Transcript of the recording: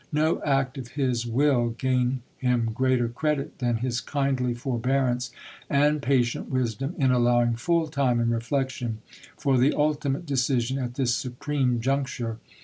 No act of his will gain him greater credit than his kindly forbearance and patient wisdom in allowing full time and reflection for the ultimate decision at this supreme juncture.